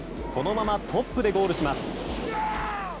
そのままトップでゴールします。